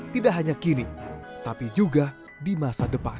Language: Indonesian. tidak hanya kini tapi juga di masa depan